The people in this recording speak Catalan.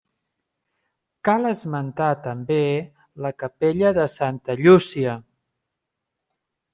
Cal esmentar també la capella de Santa Llúcia.